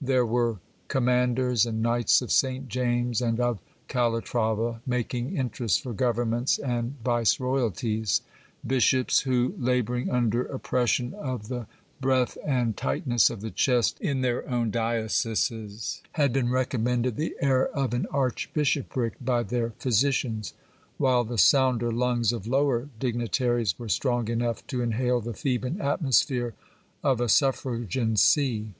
There were commanders and knights of St James and of Calatrava, making interest for governments and 28o GIL BLAS. viceroyalties ; bishops who, labouring under oppression of the breath and tight ness of the chest in their own dioceses, had been recommended the air of an archbishopric by their physicians ; while the sounder lungs of lower digni taries were strong enough to inhale the Theban atmosphere of a suffragan see.